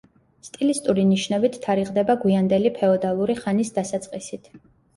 სტილისტური ნიშნებით თარიღდება გვიანდელი ფეოდალური ხანის დასაწყისით.